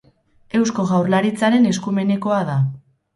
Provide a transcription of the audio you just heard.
Eusko Jaurlaritzaren eskumenekoa da.